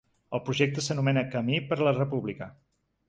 El projecte s’anomena Camí per la República.